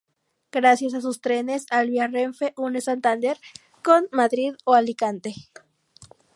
Gracias a sus trenes Alvia Renfe une Santander con Madrid o Alicante.